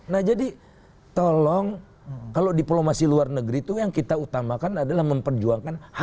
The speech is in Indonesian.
nah jadi tolong kalau diplomasi luar negeri itu yang kita utamakan adalah memperjuangkan hak